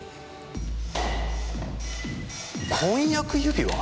婚約指輪！？